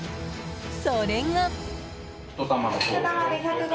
それが。